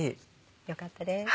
よかったです。